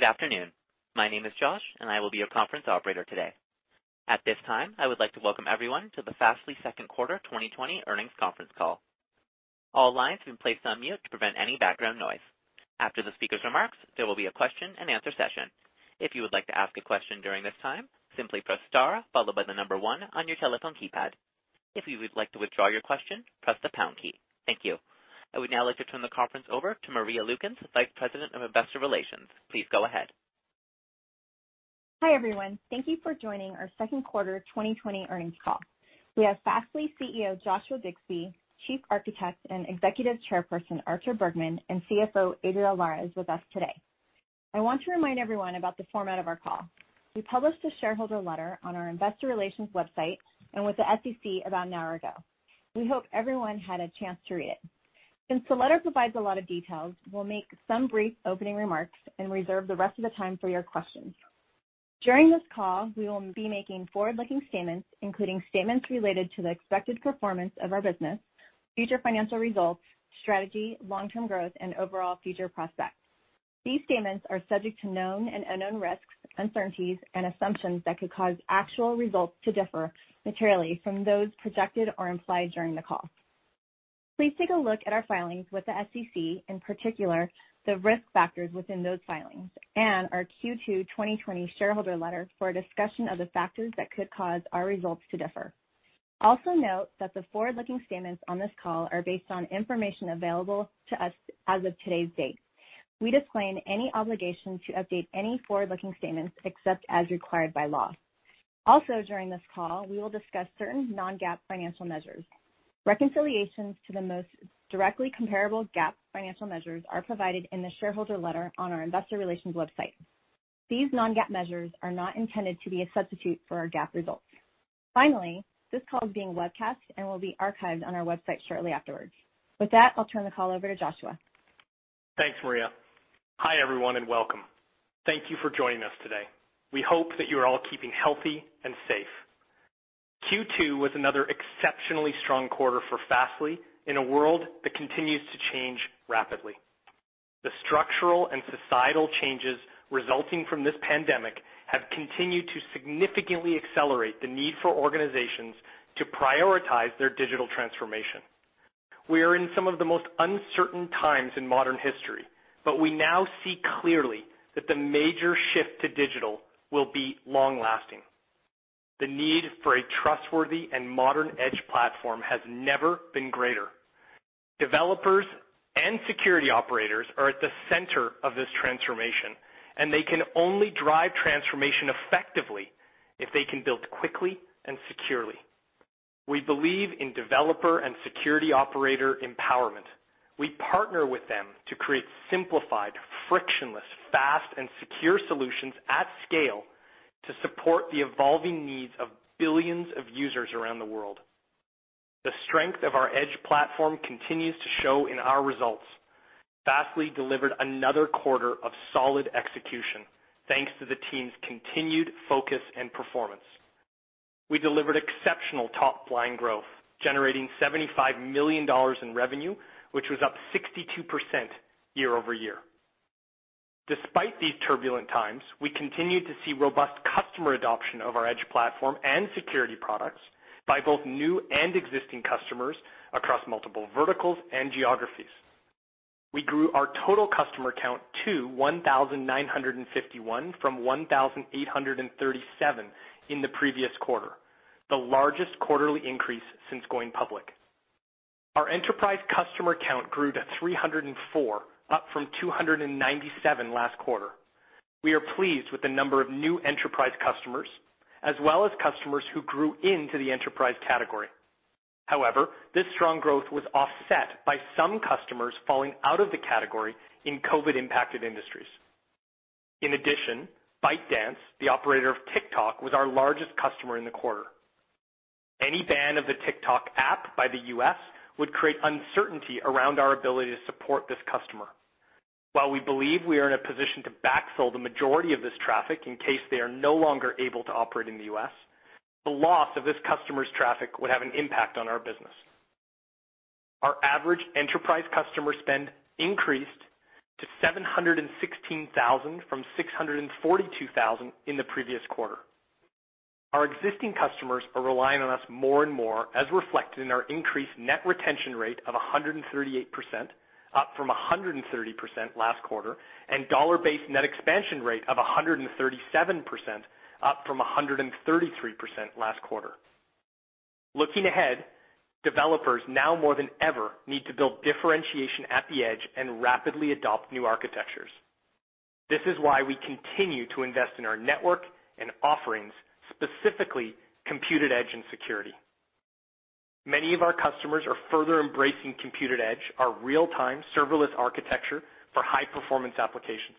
Good afternoon. My name is Josh, and I will be your conference operator today. At this time, I would like to welcome everyone to the Fastly second quarter 2020 earnings conference call. All lines have been placed on mute to prevent any background noise. After the speaker's remarks, there will be a question and answer session. If you would like to ask a question during this time, simply press star followed by the number one on your telephone keypad. If you would like to withdraw your question, press the pound key. Thank you. I would now like to turn the conference over to Maria Lukens, Vice President of Investor Relations. Please go ahead. Hi, everyone. Thank you for joining our second quarter 2020 earnings call. We have Fastly CEO, Joshua Bixby, Chief Architect and Executive Chairperson, Artur Bergman, and CFO, Adriel Lares, is with us today. I want to remind everyone about the format of our call. We published a shareholder letter on our investor relations website and with the SEC about an hour ago. We hope everyone had a chance to read it. Since the letter provides a lot of details, we'll make some brief opening remarks and reserve the rest of the time for your questions. During this call, we will be making forward-looking statements, including statements related to the expected performance of our business, future financial results, strategy, long-term growth, and overall future prospects. These statements are subject to known and unknown risks, uncertainties, and assumptions that could cause actual results to differ materially from those projected or implied during the call. Please take a look at our filings with the SEC, in particular, the risk factors within those filings, and our Q2 2020 shareholder letter for a discussion of the factors that could cause our results to differ. Also note that the forward-looking statements on this call are based on information available to us as of today's date. We disclaim any obligation to update any forward-looking statements except as required by law. Also during this call, we will discuss certain non-GAAP financial measures. Reconciliations to the most directly comparable GAAP financial measures are provided in the shareholder letter on our investor relations website. These non-GAAP measures are not intended to be a substitute for our GAAP results. Finally, this call is being webcast and will be archived on our website shortly afterwards. With that, I'll turn the call over to Joshua. Thanks, Maria. Hi, everyone, welcome. Thank you for joining us today. We hope that you are all keeping healthy and safe. Q2 was another exceptionally strong quarter for Fastly in a world that continues to change rapidly. The structural and societal changes resulting from this pandemic have continued to significantly accelerate the need for organizations to prioritize their digital transformation. We are in some of the most uncertain times in modern history, we now see clearly that the major shift to digital will be long-lasting. The need for a trustworthy and modern edge platform has never been greater. Developers and security operators are at the center of this transformation, they can only drive transformation effectively if they can build quickly and securely. We believe in developer and security operator empowerment. We partner with them to create simplified, frictionless, fast, and secure solutions at scale to support the evolving needs of billions of users around the world. The strength of our edge platform continues to show in our results. Fastly delivered another quarter of solid execution, thanks to the team's continued focus and performance. We delivered exceptional top-line growth, generating $75 million in revenue, which was up 62% year-over-year. Despite these turbulent times, we continued to see robust customer adoption of our edge platform and security products by both new and existing customers across multiple verticals and geographies. We grew our total customer count to 1,951 from 1,837 in the previous quarter, the largest quarterly increase since going public. Our enterprise customer count grew to 304, up from 297 last quarter. We are pleased with the number of new enterprise customers, as well as customers who grew into the enterprise category. However, this strong growth was offset by some customers falling out of the category in COVID-impacted industries. In addition, ByteDance, the operator of TikTok, was our largest customer in the quarter. Any ban of the TikTok app by the U.S. would create uncertainty around our ability to support this customer. While we believe we are in a position to backfill the majority of this traffic in case they are no longer able to operate in the U.S., the loss of this customer's traffic would have an impact on our business. Our average enterprise customer spend increased to $716,000 from $642,000 in the previous quarter. Our existing customers are relying on us more and more as reflected in our increased net retention rate of 138%, up from 130% last quarter, and dollar-based net expansion rate of 137%, up from 133% last quarter. Looking ahead, developers now more than ever need to build differentiation at the edge and rapidly adopt new architectures. This is why we continue to invest in our network and offerings, specifically Compute@Edge and security. Many of our customers are further embracing Compute@Edge, our real-time serverless architecture for high-performance applications.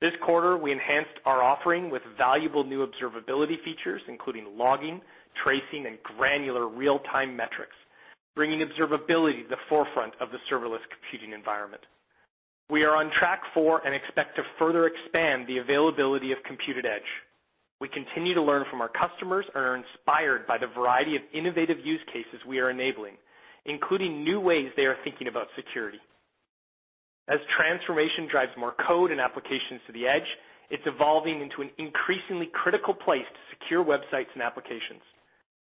This quarter, we enhanced our offering with valuable new observability features, including logging, tracing, and granular real-time metrics, bringing observability to the forefront of the serverless computing environment. We are on track for and expect to further expand the availability of Compute@Edge. We continue to learn from our customers and are inspired by the variety of innovative use cases we are enabling, including new ways they are thinking about security. As transformation drives more code and applications to the edge, it's evolving into an increasingly critical place to secure websites and applications.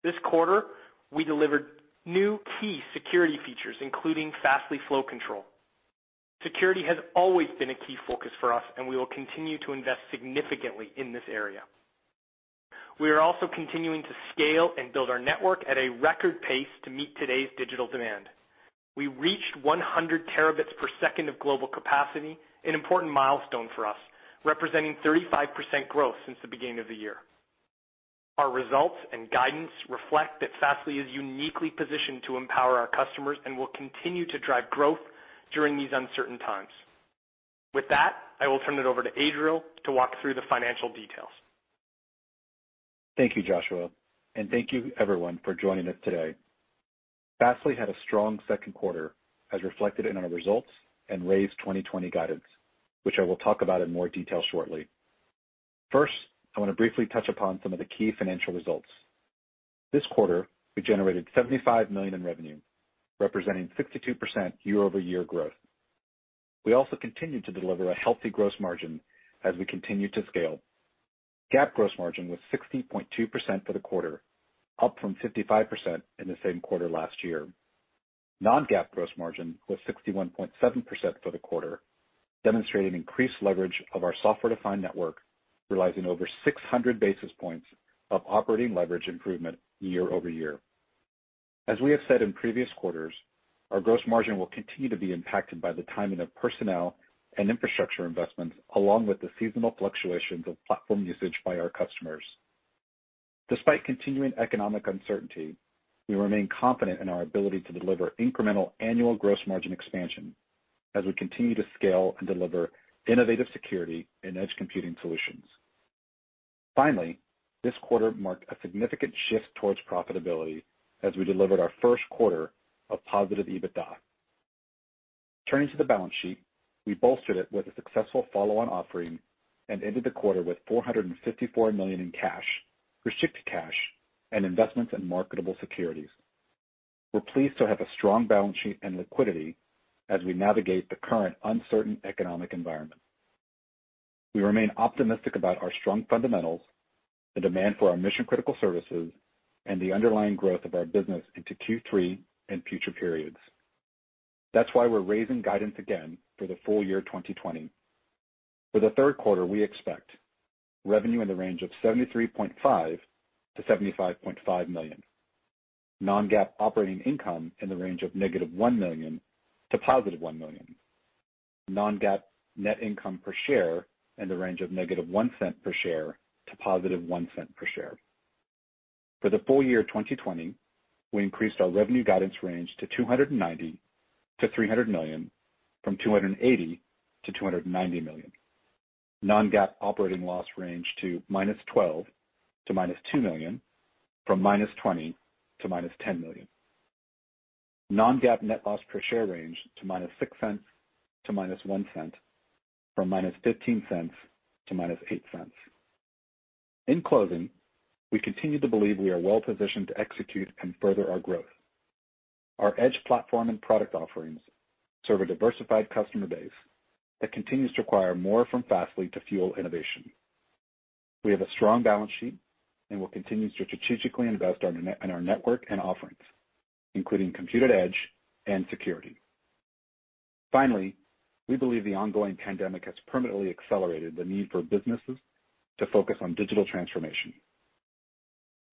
This quarter, we delivered new key security features, including Fastly Flow Control. Security has always been a key focus for us, and we will continue to invest significantly in this area. We are also continuing to scale and build our network at a record pace to meet today's digital demand. We reached 100 terabits per second of global capacity, an important milestone for us, representing 35% growth since the beginning of the year. Our results and guidance reflect that Fastly is uniquely positioned to empower our customers and will continue to drive growth during these uncertain times. With that, I will turn it over to Adriel to walk through the financial details. Thank you, Joshua, and thank you everyone for joining us today. Fastly had a strong second quarter as reflected in our results and raised 2020 guidance, which I will talk about in more detail shortly. I want to briefly touch upon some of the key financial results. This quarter, we generated $75 million in revenue, representing 62% year-over-year growth. We also continued to deliver a healthy gross margin as we continued to scale. GAAP gross margin was 60.2% for the quarter, up from 55% in the same quarter last year. non-GAAP gross margin was 61.7% for the quarter, demonstrating increased leverage of our software-defined network, realizing over 600 basis points of operating leverage improvement year-over-year. As we have said in previous quarters, our gross margin will continue to be impacted by the timing of personnel and infrastructure investments, along with the seasonal fluctuations of platform usage by our customers. Despite continuing economic uncertainty, we remain confident in our ability to deliver incremental annual gross margin expansion as we continue to scale and deliver innovative security and edge computing solutions. Finally, this quarter marked a significant shift towards profitability as we delivered our first quarter of positive EBITDA. Turning to the balance sheet, we bolstered it with a successful follow-on offering and ended the quarter with $454 million in cash, restricted cash, and investments in marketable securities. We're pleased to have a strong balance sheet and liquidity as we navigate the current uncertain economic environment. We remain optimistic about our strong fundamentals, the demand for our mission-critical services, and the underlying growth of our business into Q3 and future periods. That's why we're raising guidance again for the full year 2020. For the third quarter, we expect revenue in the range of $73.5-75.5 million, non-GAAP operating income in the range of negative $1 million to positive $1 million, non-GAAP net income per share in the range of negative $0.01 per share to positive $0.01 per share. For the full year 2020, we increased our revenue guidance range to $290-300 million from $280-290 million. Non-GAAP operating loss range to minus $12 million to minus $2 million from minus $20 million to minus $10 million. Non-GAAP net loss per share range to minus $0.06 to minus $0.01 from minus $0.15 to minus $0.08. In closing, we continue to believe we are well positioned to execute and further our growth. Our edge platform and product offerings serve a diversified customer base that continues to require more from Fastly to fuel innovation. We have a strong balance sheet and will continue to strategically invest in our network and offerings, including Compute@Edge and security. Finally, we believe the ongoing pandemic has permanently accelerated the need for businesses to focus on digital transformation.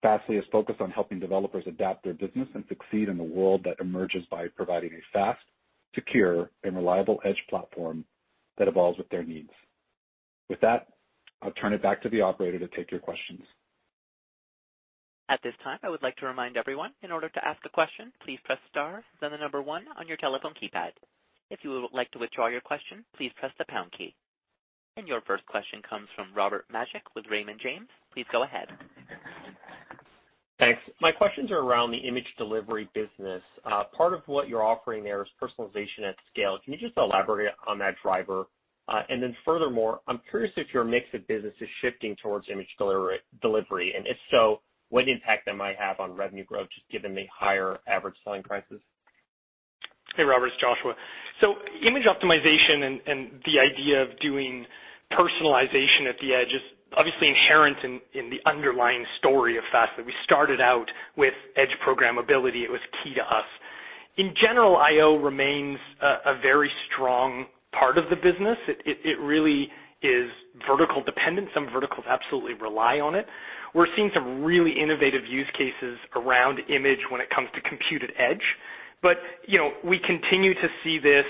Fastly is focused on helping developers adapt their business and succeed in the world that emerges by providing a fast, secure, and reliable edge platform that evolves with their needs. With that, I'll turn it back to the operator to take your questions. At this time, I would like to remind everyone, in order to ask a question, please press star, then the number one on your telephone keypad. If you would like to withdraw your question, please press the pound key. Your first question comes from Robert Majek with Raymond James. Please go ahead. Thanks. My questions are around the image delivery business. Part of what you're offering there is personalization at scale. Can you just elaborate on that driver? Furthermore, I'm curious if your mix of business is shifting towards image delivery, and if so, what impact that might have on revenue growth, just given the higher average selling prices? Hey, Robert, it's Joshua. Image optimization and the idea of doing personalization at the edge is obviously inherent in the underlying story of Fastly. We started out with edge programmability. It was key to us. In general, IO remains a very strong part of the business. It really is vertical dependent. Some verticals absolutely rely on it. We're seeing some really innovative use cases around image when it comes to Compute@Edge. We continue to see this,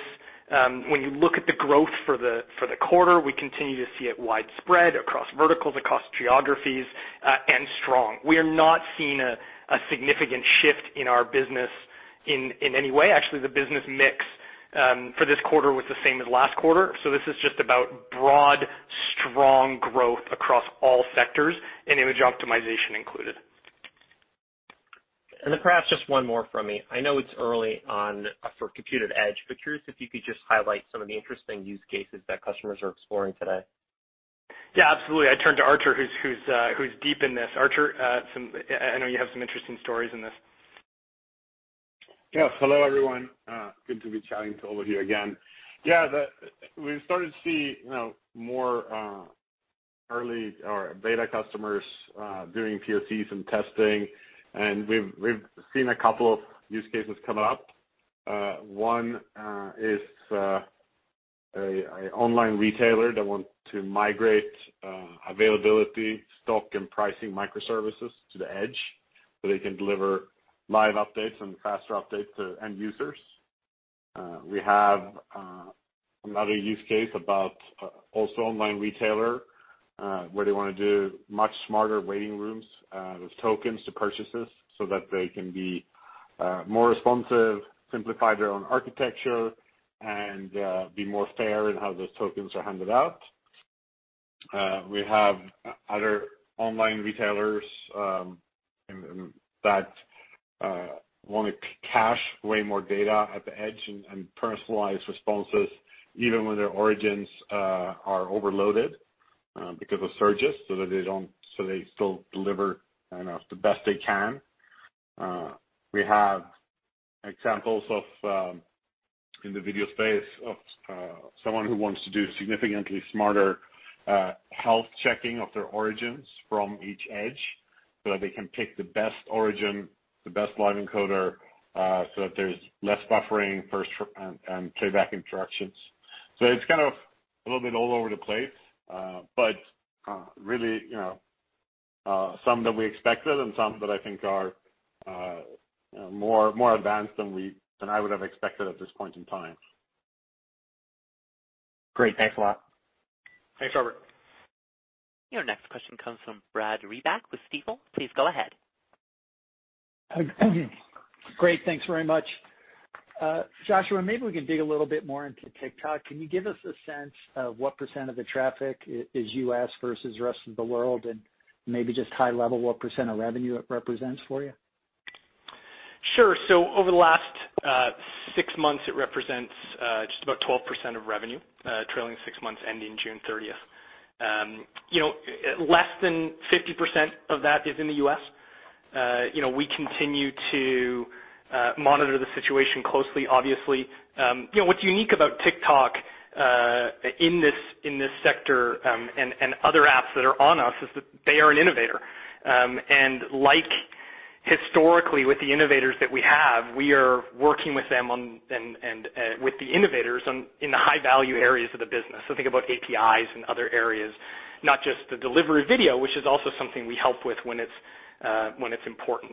when you look at the growth for the quarter, we continue to see it widespread across verticals, across geographies, and strong. We are not seeing a significant shift in our business in any way. Actually, the business mix for this quarter was the same as last quarter. This is just about broad, strong growth across all sectors, and image optimization included. Perhaps just one more from me. I know it's early on for Compute@Edge, curious if you could just highlight some of the interesting use cases that customers are exploring today. Yeah, absolutely. I turn to Artur, who's deep in this. Artur, I know you have some interesting stories in this. Yes. Hello, everyone. Good to be chatting to all of you again. Yeah. We've started to see more early or beta customers doing POCs and testing, and we've seen a couple of use cases come up. One is an online retailer that want to migrate availability, stock, and pricing microservices to the edge so they can deliver live updates and faster updates to end users. We have another use case about also online retailer, where they want to do much smarter waiting rooms with tokens to purchases so that they can be more responsive, simplify their own architecture, and be more fair in how those tokens are handed out. We have other online retailers that want to cache way more data at the edge and personalize responses even when their origins are overloaded because of surges so they still deliver the best they can. We have examples in the video space of someone who wants to do significantly smarter health checking of their origins from each edge so that they can pick the best origin, the best live encoder, so that there's less buffering and playback interruptions. It's kind of a little bit all over the place. Really some that we expected and some that I think are more advanced than I would have expected at this point in time. Great. Thanks a lot. Thanks, Robert. Your next question comes from Brad Reback with Stifel. Please go ahead. Great. Thanks very much. Joshua, we can dig a little bit more into TikTok. Can you give us a sense of what percent of the traffic is U.S. versus the rest of the world, and maybe just high level, what percent of revenue it represents for you? Sure. Over the last six months, it represents just about 12% of revenue, trailing six months ending June 30th. Less than 50% of that is in the U.S. We continue to monitor the situation closely, obviously. What's unique about TikTok in this sector, and other apps that are on us, is that they are an innovator. Like historically with the innovators that we have, we are working with the innovators in the high-value areas of the business. Think about APIs and other areas, not just the delivery video, which is also something we help with when it's important.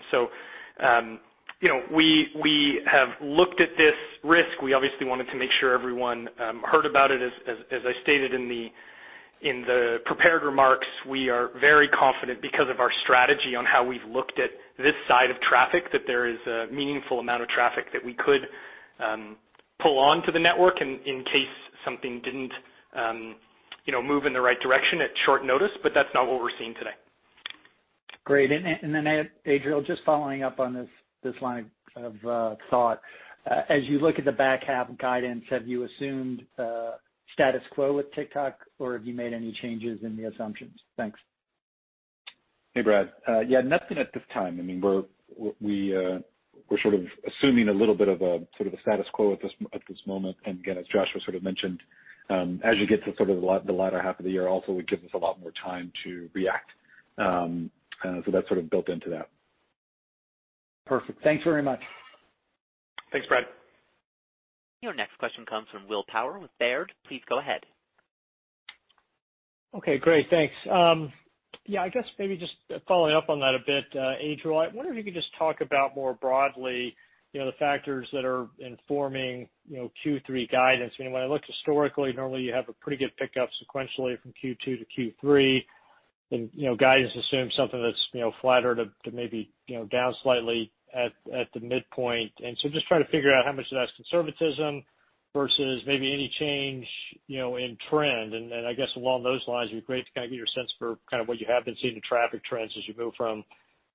We have looked at this risk. We obviously wanted to make sure everyone heard about it. As I stated in the prepared remarks, we are very confident because of our strategy on how we've looked at this side of traffic, that there is a meaningful amount of traffic that we could pull onto the network in case something didn't move in the right direction at short notice. That's not what we're seeing today. Great. Adriel, just following up on this line of thought. As you look at the back half guidance, have you assumed status quo with TikTok or have you made any changes in the assumptions? Thanks. Hey, Brad. Yeah, nothing at this time. We're sort of assuming a little bit of a status quo at this moment. Again, as Joshua sort of mentioned, as you get to sort of the latter half of the year, also it gives us a lot more time to react. That's sort of built into that. Perfect. Thanks very much. Thanks, Brad. Your next question comes from Will Power with Baird. Please go ahead. Okay, great. Thanks. Yeah, I guess maybe just following up on that a bit, Adriel, I wonder if you could just talk about more broadly the factors that are informing Q3 guidance. When I look historically, normally you have a pretty good pickup sequentially from Q2 to Q3, and guidance assumes something that's flatter to maybe down slightly at the midpoint. Just trying to figure out how much of that's conservatism versus maybe any change in trend. I guess along those lines, it'd be great to kind of get your sense for what you have been seeing in traffic trends as you move from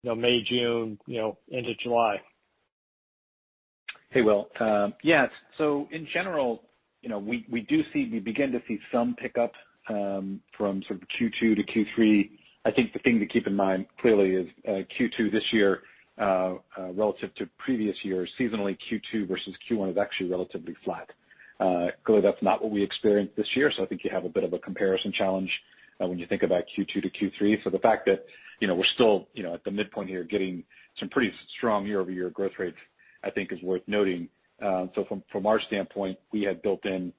May, June into July. Hey, Will. Yeah. In general, we begin to see some pickup from sort of Q2 to Q3. I think the thing to keep in mind clearly is Q2 this year relative to previous years, seasonally Q2 versus Q1 is actually relatively flat. Clearly, that's not what we experienced this year. I think you have a bit of a comparison challenge when you think about Q2 to Q3 for the fact that we're still at the midpoint here getting some pretty strong year-over-year growth rates, I think is worth noting. From our standpoint, we had built in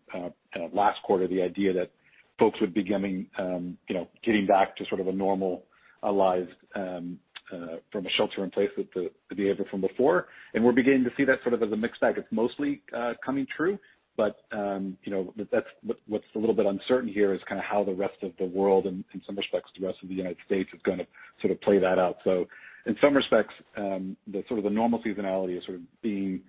last quarter the idea that folks would be getting back to sort of a normalized from a shelter in place, the behavior from before. We're beginning to see that sort of as a mixed bag. It's mostly coming true. What's a little bit uncertain here is kind of how the rest of the world and in some respects the rest of the United States is going to sort of play that out. In some respects, the sort of the normal seasonality is sort of being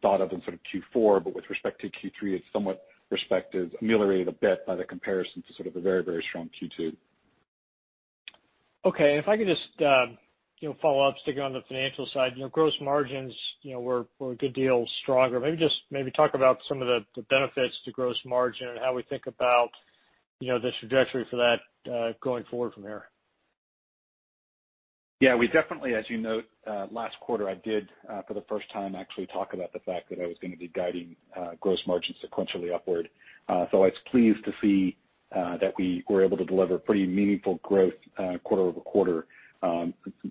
thought of in sort of Q4, but with respect to Q3, it's somewhat respected, ameliorated a bit by the comparison to sort of a very, very strong Q2. Okay. If I could just follow up, sticking on the financial side. Gross margins were a good deal stronger. Maybe just talk about some of the benefits to gross margin and how we think about the trajectory for that going forward from here. Yeah. We definitely, as you note, last quarter I did, for the first time, actually talk about the fact that I was going to be guiding gross margin sequentially upward. I was pleased to see that we were able to deliver pretty meaningful growth quarter-over-quarter,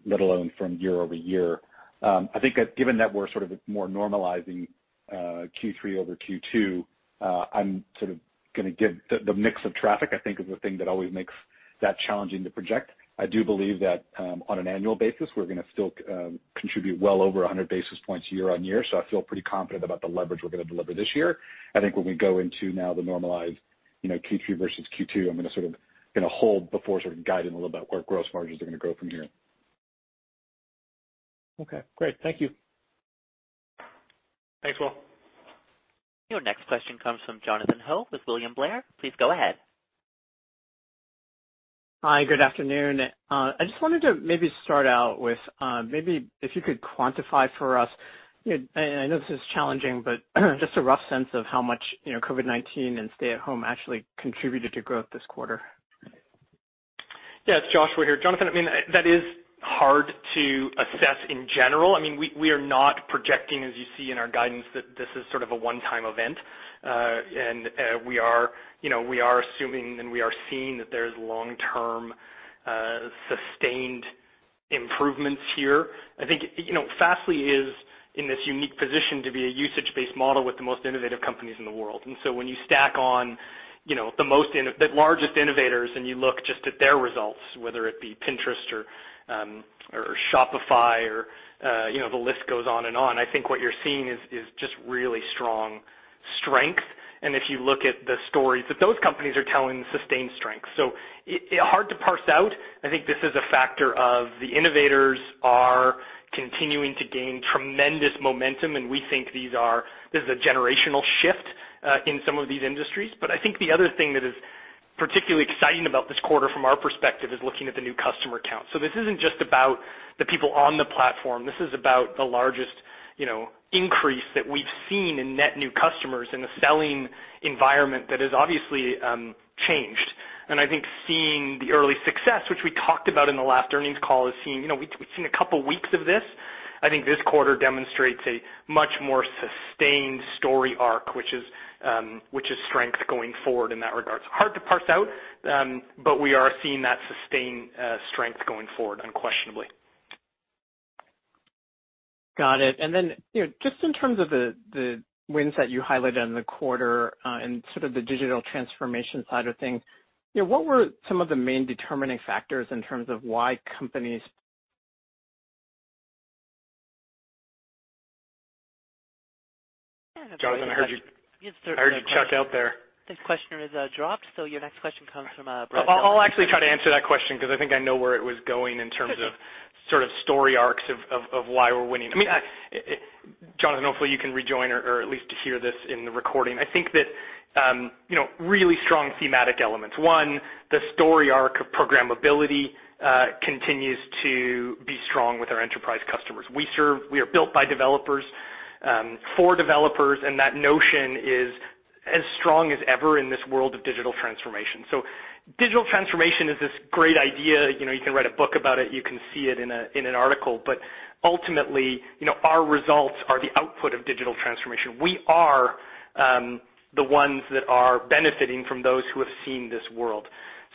let alone from year-over-year. I think that given that we're sort of more normalizing Q3 over Q2, I'm sort of going to give the mix of traffic, I think is the thing that always makes that challenging to project. I do believe that on an annual basis, we're going to still contribute well over 100 basis points year-on-year. I feel pretty confident about the leverage we're going to deliver this year. I think when we go into now the normalized Q3 versus Q2, I'm going to sort of hold before sort of guiding a little bit where gross margins are going to grow from here. Okay, great. Thank you. Thanks, Will. Your next question comes from Jonathan Ho with William Blair. Please go ahead. Hi, good afternoon. I just wanted to maybe start out with, maybe if you could quantify for us, and I know this is challenging, but just a rough sense of how much COVID-19 and stay at home actually contributed to growth this quarter. Yeah. It's Joshua here. Jonathan, that is hard to assess in general. We are not projecting, as you see in our guidance, that this is sort of a one-time event. We are assuming, and we are seeing that there's long-term sustained improvements here. I think, Fastly is in this unique position to be a usage-based model with the most innovative companies in the world. When you stack on the largest innovators and you look just at their results, whether it be Pinterest or Shopify or, the list goes on and on, I think what you're seeing is just really strong strength. If you look at the stories that those companies are telling, sustained strength. Hard to parse out. I think this is a factor of the innovators are continuing to gain tremendous momentum, and we think this is a generational shift in some of these industries. I think the other thing that is particularly exciting about this quarter from our perspective is looking at the new customer count. This isn't just about the people on the platform. This is about the largest increase that we've seen in net new customers in the selling environment that has obviously changed. I think seeing the early success, which we talked about in the last earnings call, we've seen a couple weeks of this. I think this quarter demonstrates a much more sustained story arc, which is strength going forward in that regard. Hard to parse out, but we are seeing that sustained strength going forward, unquestionably. Got it. Just in terms of the wins that you highlighted in the quarter, and sort of the digital transformation side of things, what were some of the main determining factors in terms of why companies- Jonathan, I heard. You have certainly- I heard you chuck out there. This questioner has dropped. Your next question comes from Brad Zelnick. I'll actually try to answer that question because I think I know where it was going in terms of sort of story arcs of why we're winning. Jonathan, hopefully you can rejoin or at least hear this in the recording. I think that really strong thematic elements. One, the story arc of programmability continues to be strong with our enterprise customers. We are built by developers, for developers, that notion is as strong as ever in this world of digital transformation. Digital transformation is this great idea. You can write a book about it, you can see it in an article, ultimately, our results are the output of digital transformation. We are the ones that are benefiting from those who have seen this world.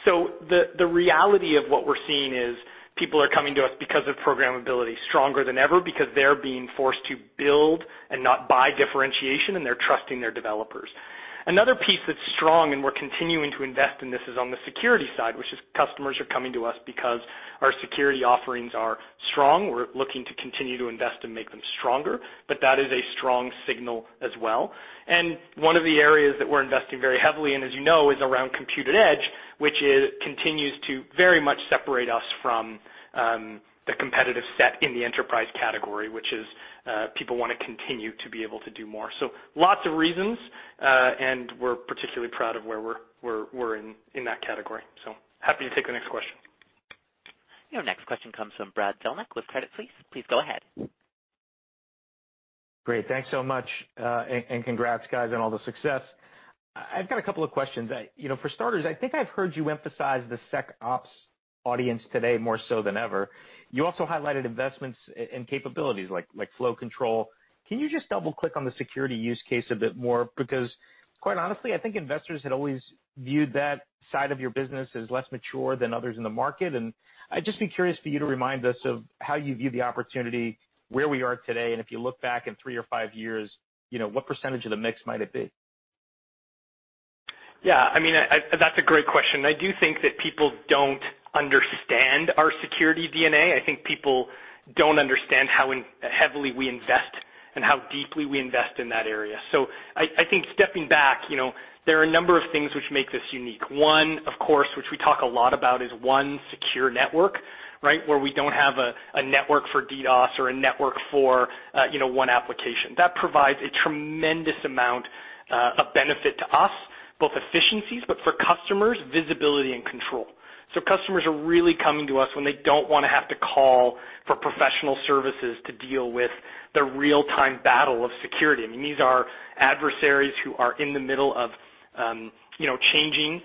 The reality of what we're seeing is people are coming to us because of programmability, stronger than ever, because they're being forced to build and not buy differentiation, and they're trusting their developers. Another piece that's strong, and we're continuing to invest in this, is on the security side, which is customers are coming to us because our security offerings are strong. We're looking to continue to invest and make them stronger, but that is a strong signal as well. One of the areas that we're investing very heavily in, as you know, is around Compute@Edge, which continues to very much separate us from the competitive set in the enterprise category, which is people want to continue to be able to do more. Lots of reasons, and we're particularly proud of where we're in that category. Happy to take the next question. Your next question comes from Brad Zelnick with Credit Suisse. Please go ahead. Great. Thanks so much, and congrats guys on all the success. I've got a couple of questions. For starters, I think I've heard you emphasize the SecOps audience today more so than ever. You also highlighted investments in capabilities like Flow Control. Can you just double click on security use case a bit more becasue, quite honestly, I think investors had always viewed that side of your business as less mature than others in the market. I'd just be curious for you to remind us of how you view the opportunity, where we are today, and if you look back in three or five years, what percentage of the mix might it be? Yeah. That's a great question. I do think that people don't understand our security DNA. I think people don't understand how heavily we invest and how deeply we invest in that area. I think stepping back, there are a number of things which make us unique. One, of course, which we talk a lot about is one secure network, right? Where we don't have a network for DDoS or a network for one application. That provides a tremendous amount of benefit to us, both efficiencies, but for customers, visibility and control. Customers are really coming to us when they don't want to have to call for professional services to deal with the real-time battle of security. I mean, these are adversaries who are in the middle of changing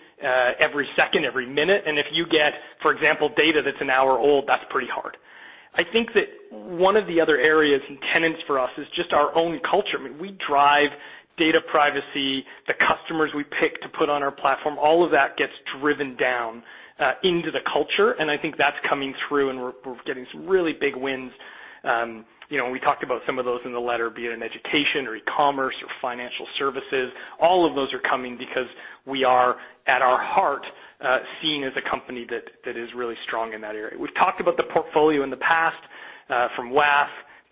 every second, every minute, and if you get, for example, data that's an hour old, that's pretty hard. I think that one of the other areas and tenets for us is just our own culture. I mean, we drive data privacy, the customers we pick to put on our platform, all of that gets driven down into the culture, and I think that's coming through and we're getting some really big wins. We talked about some of those in the letter, be it in education or e-commerce or financial services. All of those are coming because we are, at our heart, seen as a company that is really strong in that area. We've talked about the portfolio in the past, from WAF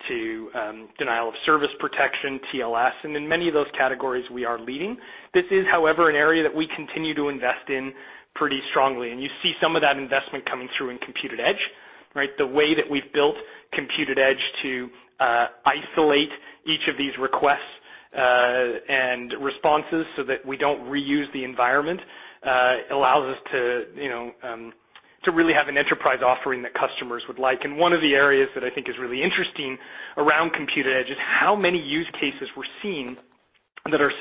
to denial of service protection, TLS, and in many of those categories, we are leading. This is, however, an area that we continue to invest in pretty strongly, and you see some of that investment coming through in Compute@Edge, right? The way that we've built Compute@Edge to isolate each of these requests and responses so that we don't reuse the environment allows us to really have an enterprise offering that customers would like. One of the areas that I think is really interesting around Compute@Edge is how many use cases we're seeing that are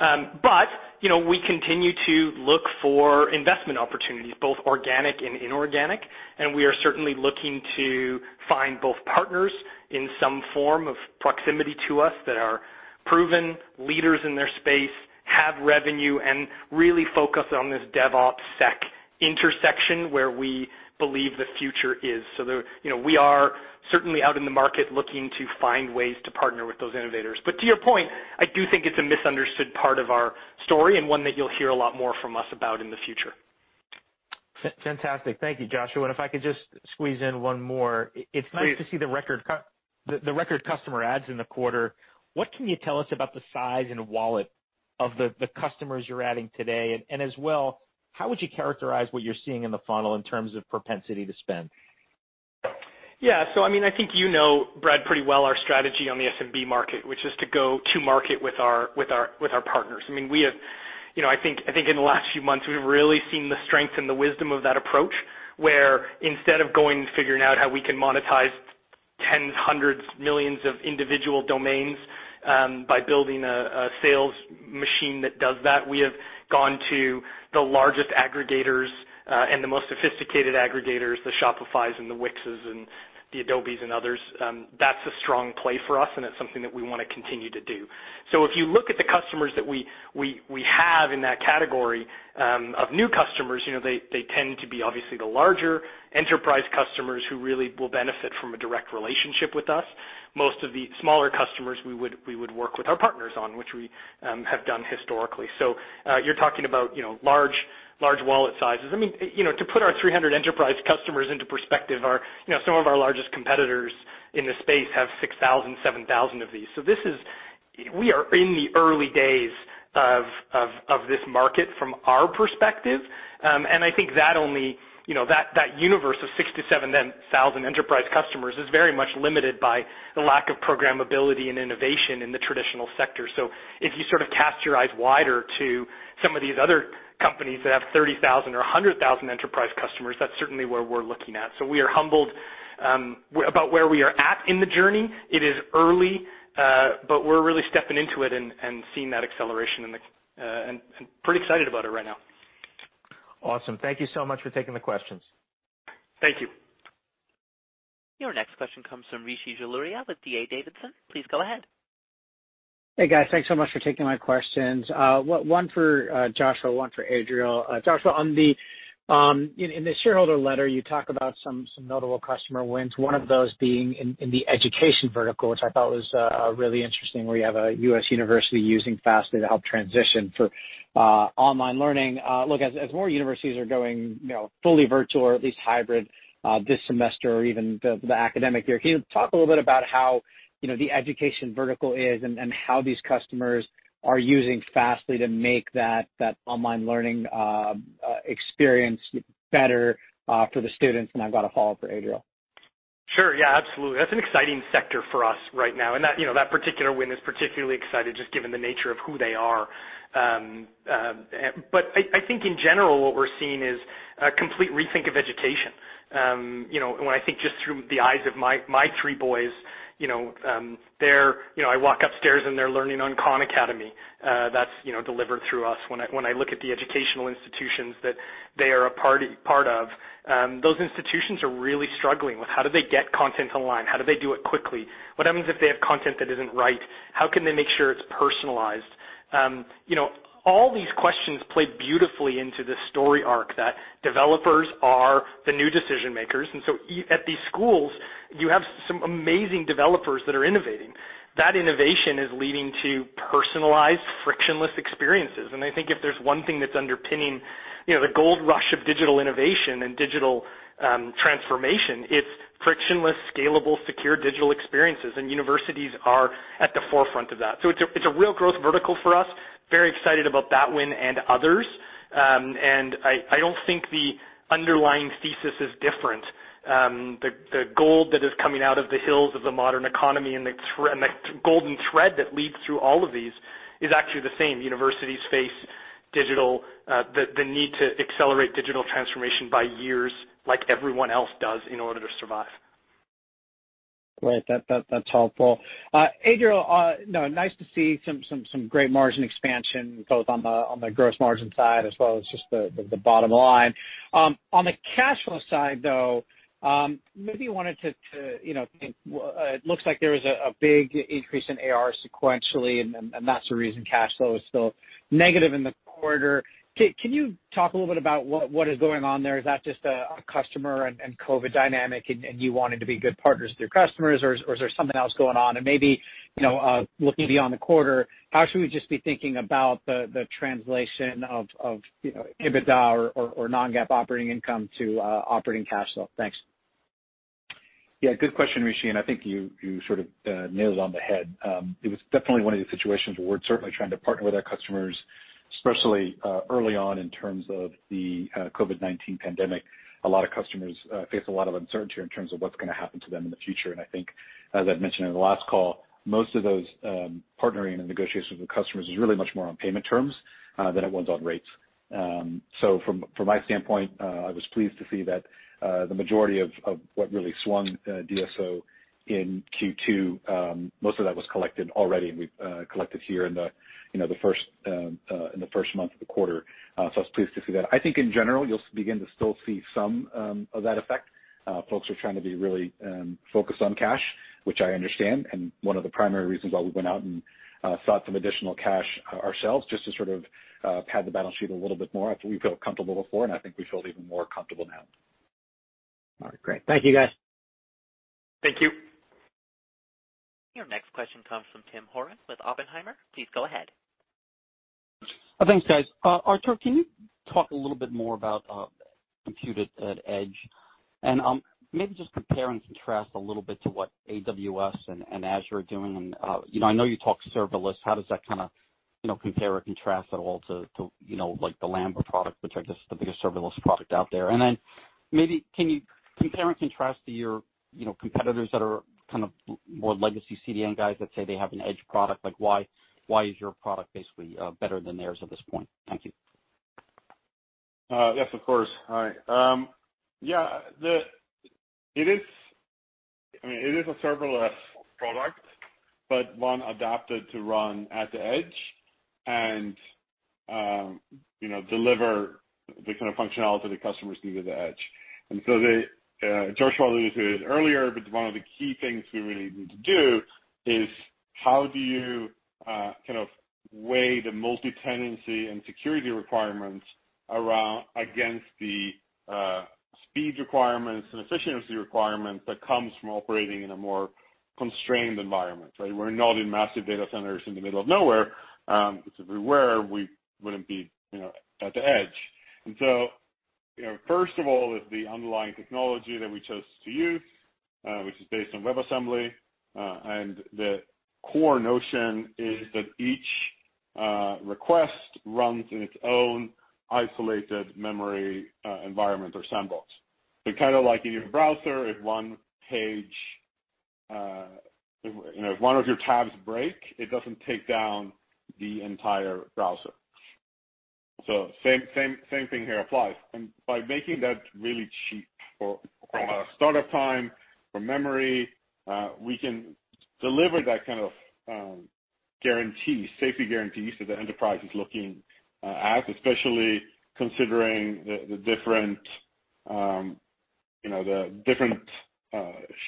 security-related. We continue to look for investment opportunities, both organic and inorganic, and we are certainly looking to find both partners in some form of proximity to us that are proven leaders in their space, have revenue, and really focus on this DevSecOps intersection where we believe the future is. We are certainly out in the market looking to find ways to partner with those innovators. To your point, I do think it's a misunderstood part of our story and one that you'll hear a lot more from us about in the future. Fantastic. Thank you, Joshua. If I could just squeeze in one more. Please. It's nice to see the record customer adds in the quarter. What can you tell us about the size and wallet of the customers you're adding today, and as well, how would you characterize what you're seeing in the funnel in terms of propensity to spend? I think you know, Brad, pretty well our strategy on the SMB market, which is to go to market with our partners. I think in the last few months, we've really seen the strength and the wisdom of that approach, where instead of going and figuring out how we can monetize tens, hundreds, millions of individual domains by building a sales machine that does that, we have gone to the largest aggregators and the most sophisticated aggregators, the Shopifys and the Wix and the Adobe and others. That's a strong play for us, and it's something that we want to continue to do. If you look at the customers that we have in that category of new customers, they tend to be obviously the larger enterprise customers who really will benefit from a direct relationship with us. Most of the smaller customers we would work with our partners on, which we have done historically. You're talking about large wallet sizes. To put our 300 enterprise customers into perspective, some of our largest competitors in the space have 6,000, 7,000 of these. We are in the early days of this market from our perspective. I think that universe of 6,000 to 7,000 enterprise customers is very much limited by the lack of programmability and innovation in the traditional sector. If you sort of cast your eyes wider to some of these other companies that have 30,000 or 100,000 enterprise customers, that's certainly where we're looking at. We are humbled about where we are at in the journey. It is early, but we're really stepping into it and seeing that acceleration and pretty excited about it right now. Awesome. Thank you so much for taking the questions. Thank you. Your next question comes from Rishi Jaluria with D.A. Davidson. Please go ahead. Hey, guys. Thanks so much for taking my questions. One for Joshua, one for Adriel. Joshua, in the shareholder letter, you talk about some notable customer wins, one of those being in the education vertical, which I thought was really interesting, where you have a U.S. university using Fastly to help transition for online learning. Look, as more universities are going fully virtual or at least hybrid this semester or even the academic year, can you talk a little bit about how the education vertical is and how these customers are using Fastly to make that online learning experience better for the students? I've got a follow-up for Adriel. Sure. Yeah, absolutely. That's an exciting sector for us right now, and that particular win is particularly exciting just given the nature of who they are. I think in general, what we're seeing is a complete rethink of education. When I think just through the eyes of my three boys, I walk upstairs and they're learning on Khan Academy. That's delivered through us. When I look at the educational institutions that they are a part of, those institutions are really struggling with how do they get content online? How do they do it quickly? What happens if they have content that isn't right? How can they make sure it's personalized? All these questions play beautifully into this story arc that developers are the new decision-makers. At these schools, you have some amazing developers that are innovating. That innovation is leading to personalized, frictionless experiences. I think if there's one thing that's underpinning the gold rush of digital innovation and digital transformation, it's frictionless, scalable, secure digital experiences, and universities are at the forefront of that. It's a real growth vertical for us. Very excited about that win and others. I don't think the underlying thesis is different. The gold that is coming out of the hills of the modern economy and the golden thread that leads through all of these is actually the same. Universities face the need to accelerate digital transformation by years like everyone else does in order to survive. Great. That's helpful. Adriel, nice to see some great margin expansion, both on the gross margin side as well as just the bottom line. On the cash flow side, though, it looks like there was a big increase in AR sequentially, and that's the reason cash flow is still negative in the quarter. Can you talk a little bit about what is going on there? Is that just a customer and COVID dynamic and you wanted to be good partners with your customers? Or is there something else going on? Maybe, looking beyond the quarter, how should we just be thinking about the translation of EBITDA or non-GAAP operating income to operating cash flow? Thanks. Good question, Rishi. I think you sort of nailed it on the head. It was definitely one of the situations where we're certainly trying to partner with our customers, especially early on in terms of the COVID-19 pandemic. A lot of customers faced a lot of uncertainty in terms of what's going to happen to them in the future. I think as I've mentioned in the last call, most of those partnering and negotiations with customers is really much more on payment terms than it was on rates. From my standpoint, I was pleased to see that the majority of what really swung DSO in Q2, most of that was collected already, and we collected here in the first month of the quarter. I was pleased to see that. I think in general, you'll begin to still see some of that effect. Folks are trying to be really focused on cash, which I understand, and one of the primary reasons why we went out and sought some additional cash ourselves, just to sort of pad the balance sheet a little bit more after we felt comfortable before, and I think we feel even more comfortable now. All right, great. Thank you, guys. Thank you. Your next question comes from Tim Horan with Oppenheimer. Please go ahead. Thanks, guys. Artur, can you talk a little bit more about Compute@Edge? Maybe just compare and contrast a little bit to what AWS and Azure are doing and I know you talk serverless, how does that kind of compare or contrast at all to the Lambda product, which I guess is the biggest serverless product out there? Maybe can you compare and contrast to your competitors that are kind of more legacy CDN guys that say they have an Edge product? Like, why is your product basically better than theirs at this point? Thank you. Yes, of course. All right. Yeah. It is a serverless product, but one adapted to run at the Edge and deliver the kind of functionality the customers need at the Edge. Joshua alluded to it earlier, but one of the key things we really need to do is how do you kind of weigh the multi-tenancy and security requirements against the speed requirements and efficiency requirements that comes from operating in a more constrained environment, right? We're not in massive data centers in the middle of nowhere. If we were, we wouldn't be at the Edge. First of all, is the underlying technology that we chose to use, which is based on WebAssembly. The core notion is that each request runs in its own isolated memory environment or sandbox. Kind of like in your browser, if one of your tabs break, it doesn't take down the entire browser. Same thing here applies. By making that really cheap for startup time, for memory, we can deliver that kind of safety guarantees that the enterprise is looking at, especially considering the different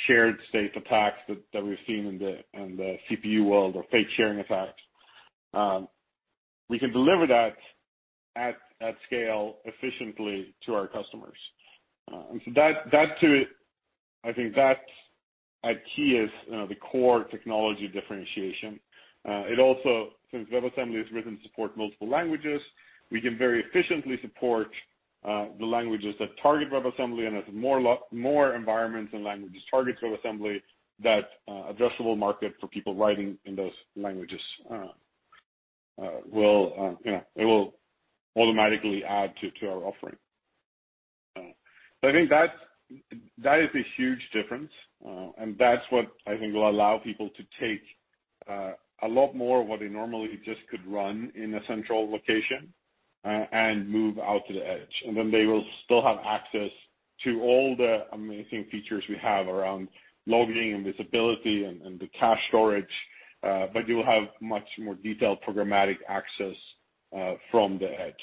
shared state attacks that we've seen in the CPU world or fake sharing attacks. We can deliver that at scale efficiently to our customers. I think that at key is the core technology differentiation. Since WebAssembly is written to support multiple languages, we can very efficiently support the languages that target WebAssembly, and as more environments and languages target WebAssembly, that addressable market for people writing in those languages, it will automatically add to our offering. I think that is a huge difference. That's what I think will allow people to take a lot more of what they normally just could run in a central location and move out to the Edge. They will still have access to all the amazing features we have around logging and visibility and the cache storage. You'll have much more detailed programmatic access from the Edge.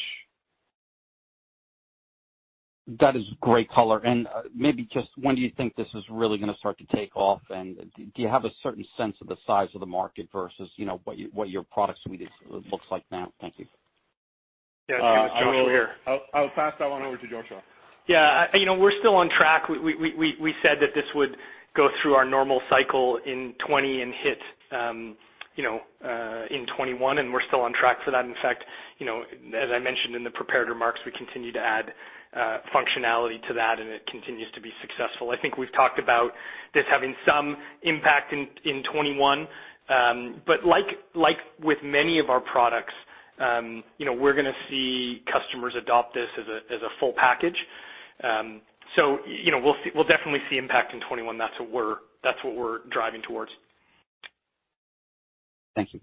That is great color. Maybe just when do you think this is really going to start to take off? Do you have a certain sense of the size of the market versus what your product suite looks like now? Thank you. Yeah. Joshua here. I will pass that one over to Joshua. Yeah. We're still on track. We said that this would go through our normal cycle in 2020 and hit in 2021, and we're still on track for that. In fact, as I mentioned in the prepared remarks, we continue to add functionality to that, and it continues to be successful. I think we've talked about this having some impact in 2021. Like with many of our products, we're going to see customers adopt this as a full package. We'll definitely see impact in 2021. That's what we're driving towards. Thank you.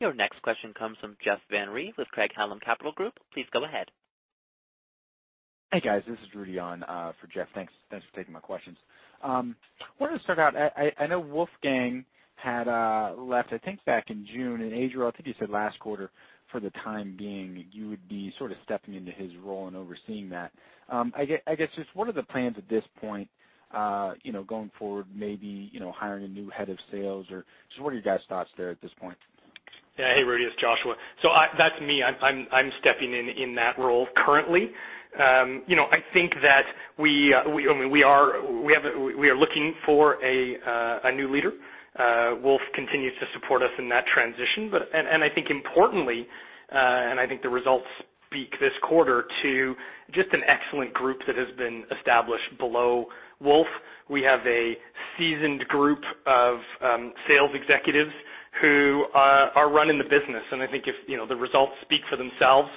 Your next question comes from Jeff Van Rhee with Craig-Hallum Capital Group. Please go ahead. Hey, guys. This is Rudy on for Jeff. Thanks for taking my questions. Wanted to start out, I know Wolfgang had left, I think back in June. Adriel, I think you said last quarter for the time being, you would be sort of stepping into his role and overseeing that. I guess, just what are the plans at this point, going forward, maybe hiring a new head of sales or just what are your guys' thoughts there at this point? Yeah. Hey, Rudy, it's Joshua. That's me. I'm stepping in in that role currently. I think that we are looking for a new leader. Wolf continues to support us in that transition. I think importantly, and I think the results speak this quarter to just an excellent group that has been established below Wolf. We have a seasoned group of sales executives who are running the business, and I think if the results speak for themselves,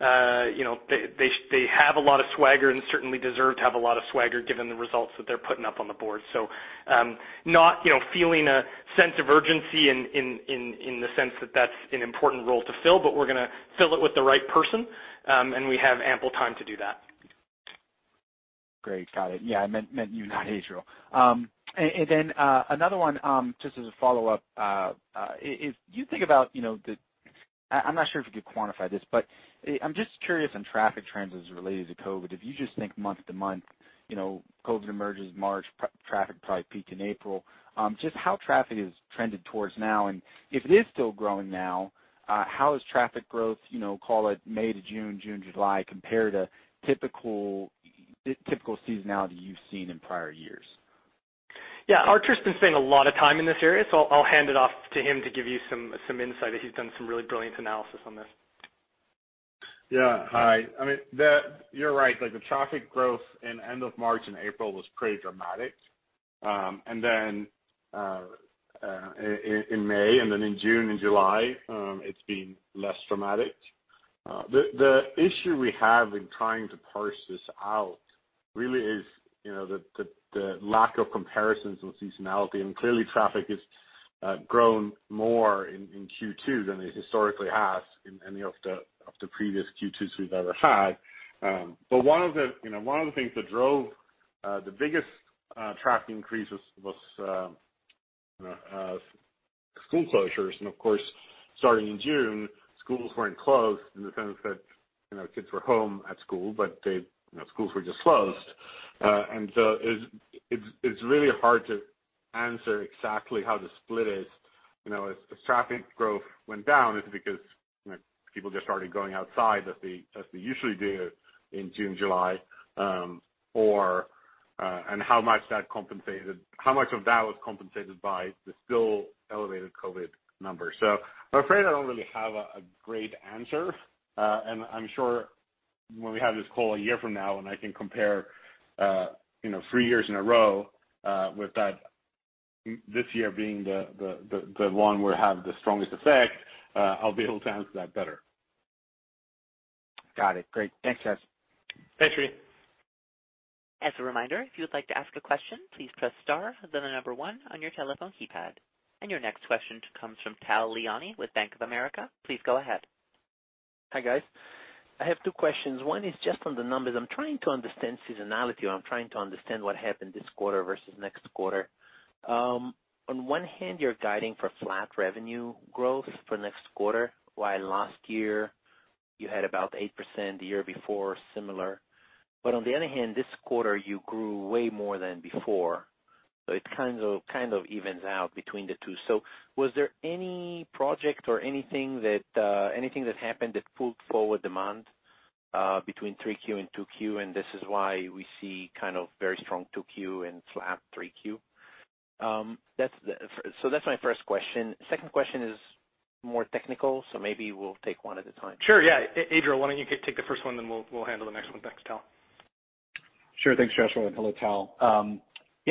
they have a lot of swagger and certainly deserve to have a lot of swagger given the results that they're putting up on the board. Not feeling a sense of urgency in the sense that that's an important role to fill, but we're going to fill it with the right person, and we have ample time to do that. Great. Got it. Yeah, I meant you, not Adriel. Then, another one, just as a follow-up. If you think about I'm not sure if you could quantify this, but I'm just curious on traffic trends as related to COVID. If you just think month-to-month, COVID emerges March, traffic probably peaked in April. Just how traffic has trended towards now, and if it is still growing now, how is traffic growth, call it May to June, July, compare to typical seasonality you've seen in prior years? Yeah. Artur's been spending a lot of time in this area, so I'll hand it off to him to give you some insight, as he's done some really brilliant analysis on this. Yeah. Hi. You're right. The traffic growth in end of March and April was pretty dramatic. In May, in June and July, it's been less dramatic. The issue we have in trying to parse this out really is the lack of comparisons on seasonality. Clearly, traffic has grown more in Q2 than it historically has in any of the previous Q2s we've ever had. One of the things that drove the biggest traffic increases was school closures. Of course, starting in June, schools weren't closed in the sense that kids were home at school, but schools were just closed. It's really hard to answer exactly how the split is. If traffic growth went down, it's because people just started going outside as they usually do in June, July, and how much of that was compensated by the still elevated COVID numbers. I'm afraid I don't really have a great answer. I'm sure when we have this call a year from now and I can compare three years in a row, with this year being the one where it had the strongest effect, I'll be able to answer that better. Got it. Great. Thanks, guys. Thanks, Rudy. As a reminder, if you would like to ask a question, please press star, then the number one on your telephone keypad. Your next question comes from Tal Liani with Bank of America. Please go ahead. Hi, guys. I have two questions. One is just on the numbers. I'm trying to understand seasonality, or I'm trying to understand what happened this quarter versus next quarter. On one hand, you're guiding for flat revenue growth for next quarter, while last year you had about 8%, the year before, similar. On the other hand, this quarter, you grew way more than before. It kind of evens out between the two. Was there any project or anything that happened that pulled forward demand between Q3 and Q2, and this is why we see kind of very strong Q2 and flat Q3? That's my first question. Second question is more technical, so maybe we'll take one at a time. Sure, yeah. Adriel, why don't you take the first one, then we'll handle the next one. Thanks, Tal. Sure. Thanks, Joshua, and hello, Tal.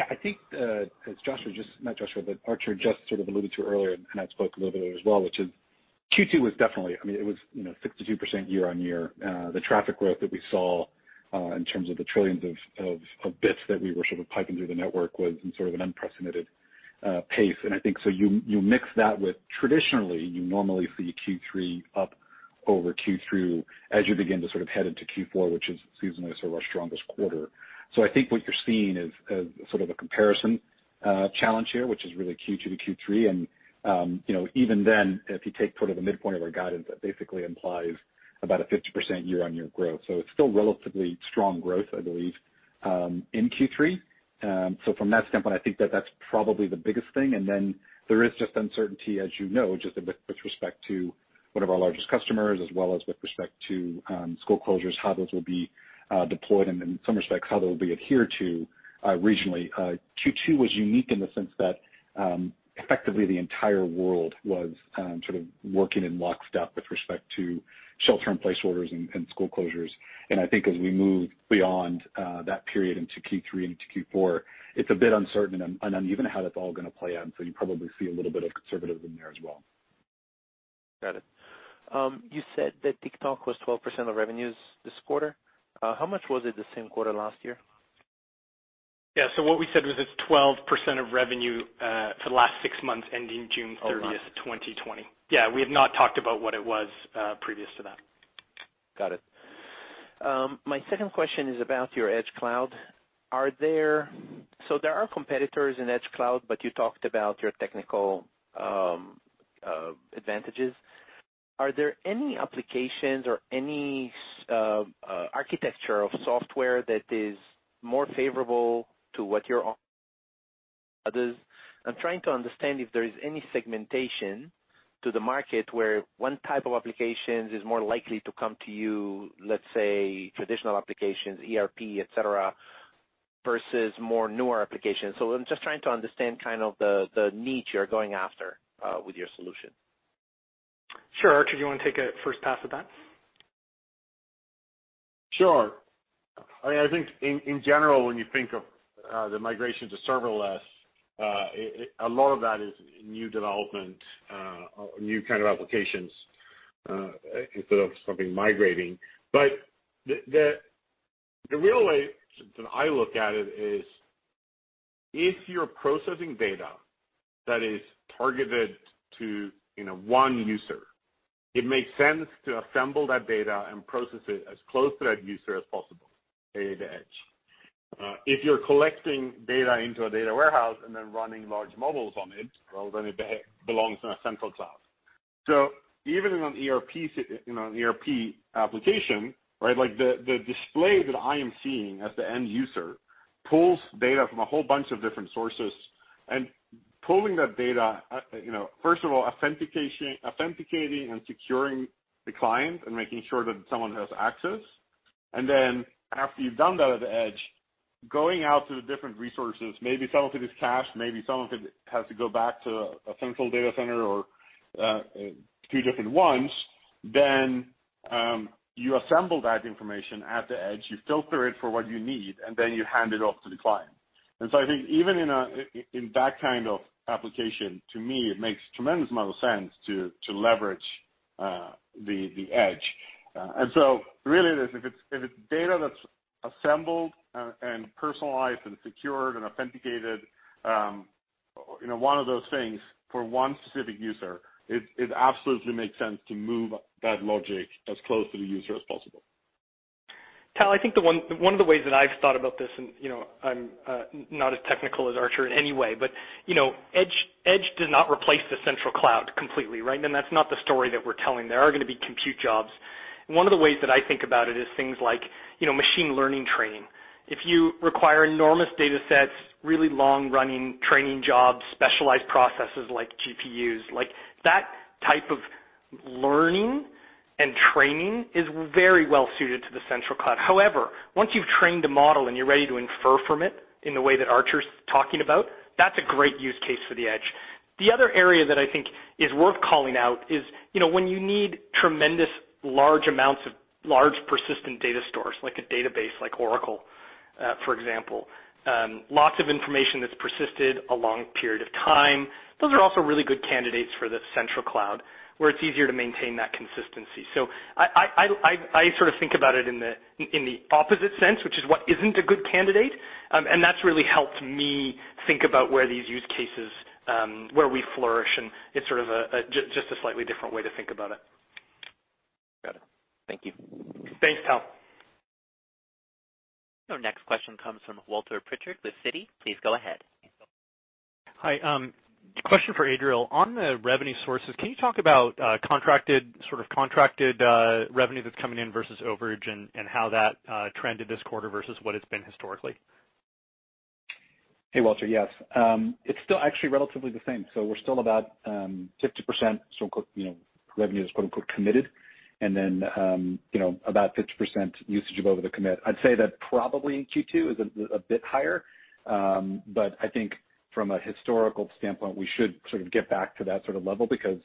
I think as Artur just sort of alluded to earlier, and I spoke a little bit as well, which is Q2 was, I mean, it was 62% year-on-year. The traffic growth that we saw, in terms of the trillions of bits that we were sort of piping through the network was in sort of an unprecedented pace. I think, you mix that with traditionally, you normally see Q3 up over Q2 as you begin to sort of head into Q4, which is seasonally sort of our strongest quarter. I think what you're seeing is sort of a comparison challenge here, which is really Q2 to Q3. Even then, if you take sort of the midpoint of our guidance, that basically implies about a 50% year-on-year growth. It's still relatively strong growth, I believe, in Q3. From that standpoint, I think that that's probably the biggest thing. There is just uncertainty, as you know, just with respect to one of our largest customers as well as with respect to school closures, how those will be deployed and in some respects, how they will be adhered to regionally. Q2 was unique in the sense that effectively the entire world was sort of working in lockstep with respect to shelter in place orders and school closures. I think as we move beyond that period into Q3 and into Q4, it's a bit uncertain and uneven how that's all going to play out, and so you probably see a little bit of conservatism there as well. Got it. You said that TikTok was 12% of revenues this quarter. How much was it the same quarter last year? Yeah. What we said was it's 12% of revenue for the last six months ending June 30th, 2020. Oh, got it. Yeah, we have not talked about what it was previous to that. Got it. My second question is about your Edge cloud. There are competitors in Edge cloud, but you talked about your technical advantages. Are there any applications or any architecture of software that is more favorable to what you're offering others? I'm trying to understand if there is any segmentation to the market where one type of applications is more likely to come to you, let's say traditional applications, ERP, et cetera, versus more newer applications. I'm just trying to understand the niche you're going after with your solution. Sure. Artur, do you want to take a first pass at that? Sure. I think in general, when you think of the migration to serverless, a lot of that is new development, new kind of applications, instead of something migrating. The real way that I look at it is, if you're processing data that is targeted to one user, it makes sense to assemble that data and process it as close to that user as possible, at the edge. If you're collecting data into a data warehouse and then running large models on it, well, then it belongs in a central cloud. Even in an ERP application, right? The display that I am seeing as the end user pulls data from a whole bunch of different sources, pulling that data, first of all, authenticating and securing the client and making sure that someone has access. After you've done that at the edge, going out to the different resources, maybe some of it is cached, maybe some of it has to go back to a central data center or two different ones. You assemble that information at the edge, you filter it for what you need, and then you hand it off to the client. I think even in that kind of application, to me, it makes tremendous amount of sense to leverage the edge. Really, if it's data that's assembled and personalized and secured and authenticated, one of those things for one specific user, it absolutely makes sense to move that logic as close to the user as possible. Tal, I think one of the ways that I've thought about this and, I'm not as technical as Artur in any way, but Edge does not replace the central cloud completely, right? That's not the story that we're telling. There are going to be compute jobs. One of the ways that I think about it is things like machine learning training. If you require enormous data sets, really long-running training jobs, specialized processes like GPUs, like that type of learning and training is very well-suited to the central cloud. However, once you've trained a model and you're ready to infer from it in the way that Artur's talking about, that's a great use case for the Edge. The other area that I think is worth calling out is, when you need tremendous large amounts of large, persistent data stores, like a database like Oracle, for example. Lots of information that's persisted a long period of time. Those are also really good candidates for the central cloud, where it's easier to maintain that consistency. I think about it in the opposite sense, which is what isn't a good candidate, and that's really helped me think about where these use cases, where we flourish, and it's sort of just a slightly different way to think about it. Got it. Thank you. Thanks, Tal. Your next question comes from Walter Pritchard with Citi. Please go ahead. Hi. Question for Adriel. On the revenue sources, can you talk about sort of contracted revenue that's coming in versus overage and how that trended this quarter versus what it's been historically? Hey, Walter. Yes. It's still actually relatively the same. We're still about 50% revenue is quote unquote committed, and then about 50% usage of over the commit. I'd say that probably in Q2 is a bit higher. I think from a historical standpoint, we should sort of get back to that sort of level because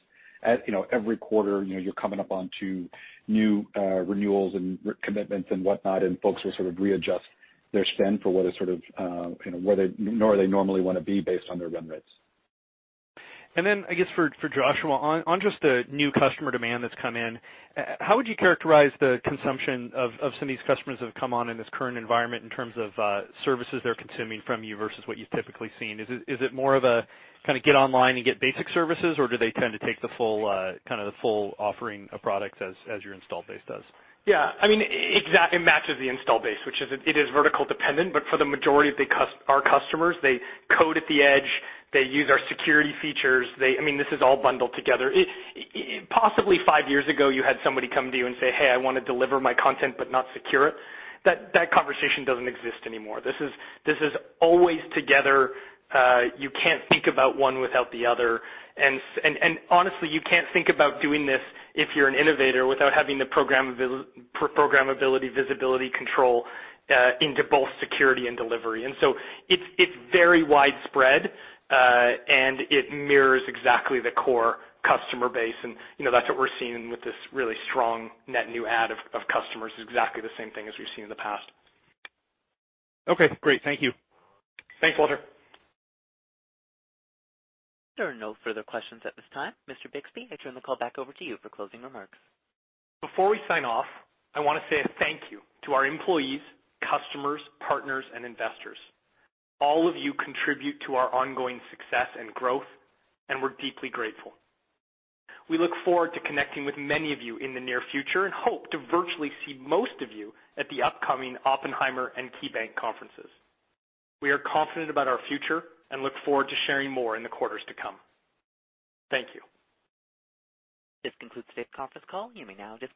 every quarter, you're coming up onto new renewals and commitments and whatnot, and folks will sort of readjust their spend for where they normally want to be based on their run rates. I guess for Joshua, on just the new customer demand that's come in, how would you characterize the consumption of some of these customers that have come on in this current environment in terms of services they're consuming from you versus what you've typically seen? Is it more of a kind of get online and get basic services, or do they tend to take the full offering of products as your install base does? Yeah. It matches the install base, which it is vertical dependent, but for the majority of our customers, they code at the edge. They use our security features. This is all bundled together. Possibly five years ago, you had somebody come to you and say, "Hey, I want to deliver my content but not secure it." That conversation doesn't exist anymore. This is always together. You can't think about one without the other. Honestly, you can't think about doing this if you're an innovator without having the programmability, visibility, control into both security and delivery. It's very widespread, and it mirrors exactly the core customer base, and that's what we're seeing with this really strong net new add of customers, exactly the same thing as we've seen in the past. Okay, great. Thank you. Thanks, Walter. There are no further questions at this time. Mr. Bixby, I turn the call back over to you for closing remarks. Before we sign off, I want to say a thank you to our employees, customers, partners, and investors. All of you contribute to our ongoing success and growth, and we're deeply grateful. We look forward to connecting with many of you in the near future, and hope to virtually see most of you at the upcoming Oppenheimer and KeyBanc conferences. We are confident about our future and look forward to sharing more in the quarters to come. Thank you. This concludes today's conference call. You may now disconnect.